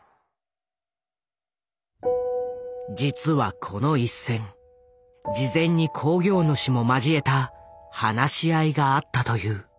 実はこの一戦事前に興行主も交えた話し合いがあったという。